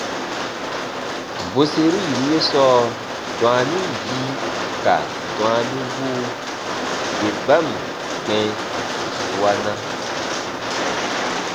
Bwerseru yiru ye sɔɔ, dwaanin bii ka dwaanibuu ge ba ǹ kpɛ̃ bù suana,